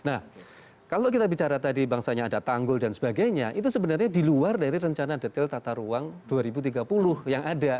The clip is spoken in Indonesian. nah kalau kita bicara tadi bangsanya ada tanggul dan sebagainya itu sebenarnya di luar dari rencana detail tata ruang dua ribu tiga puluh yang ada